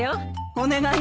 お願いね。